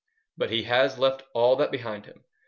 But he has left all that behind him.